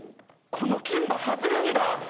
この金歯外れんだ